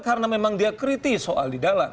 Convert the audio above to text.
karena memang dia kritis soal di dalam